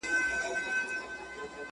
پکښي ډلي د لوټمارو گرځېدلې.